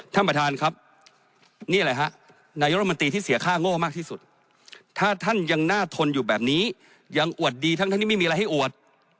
ท่านประธานครับนี่อะไรฮะนายกรมนตรีที่เสียค่าโง่มากที่สุดถ้าท่านยังน่าทนอยู่แบบนี้ยังอวดดีทั้งที่ไม่มีอะไรให้อวด